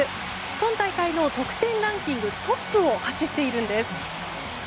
今大会の得点ランキングトップを走っているんです。